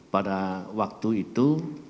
pada waktu itu